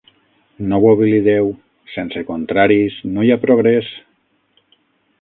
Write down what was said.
No ho oblideu: sense contraris no hi ha progrés.